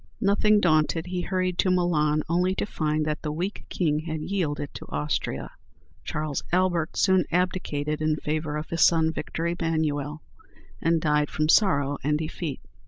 Nothing daunted, he hurried to Milan, only to find that the weak King had yielded it to Austria. Charles Albert soon abdicated in favor of his son Victor Emmanuel, and died from sorrow and defeat.